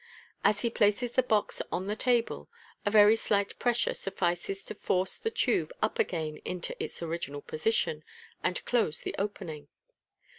As he places the box on the table, a very slight pressure suffices to force the tube up again into its original position, and close the opening.